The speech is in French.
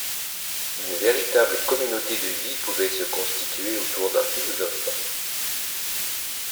Une véritable communauté de vie pouvait se constituer autour d'un philosophe.